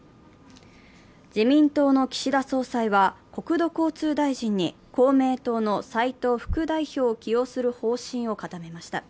自民党の岸田総裁は国土交通大臣に公明党の斉藤副代表を起用する方針を固めました。